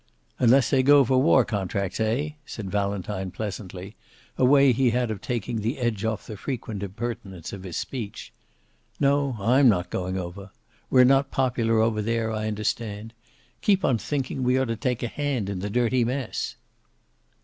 "Unless they go for war contracts, eh?" said Valentine pleasantly, a way he had of taking the edge off the frequent impertinence of his speech. "No, I'm not going over. We're not popular over there, I understand. Keep on thinking we ought to take a hand in the dirty mess."